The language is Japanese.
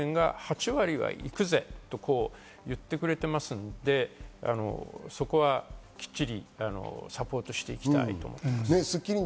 でも多くの都道府県が８割は行くぜと言ってくれてますので、そこはきっちりサポートしていきたいと思います。